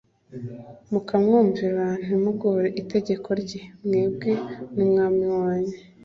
mukamwumvira, ntimugoreke itegeko rye mwebwe n'umwami wanyu